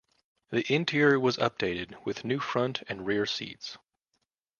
The interior was updated, with new front and rear seats.